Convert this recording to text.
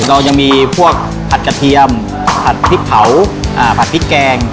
เรายังมีพวกผัดกระเทียมผัดพริกเผาผัดพริกแกง